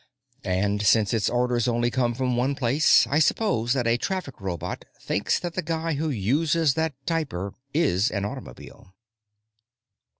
And, since its orders only come from one place, I suppose that a traffic robot thinks that the guy who uses that typer is an automobile.